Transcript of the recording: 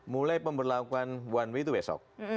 mulai pemberlakuan satu w itu besok